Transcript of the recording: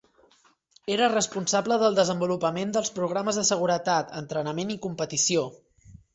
Era responsable del desenvolupament dels programes de seguretat, entrenament i competició.